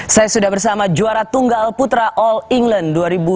saya sudah bersama juara tunggal putra all england dua ribu dua puluh